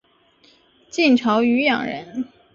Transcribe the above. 晋朝渔阳人。